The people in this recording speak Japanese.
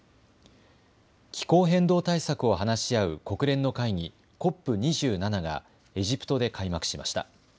気候変動対策を話し合う国連の会議、ＣＯＰ２７がエジプトで開幕しました。